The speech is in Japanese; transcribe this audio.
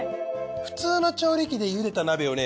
普通の調理器でゆでた鍋をね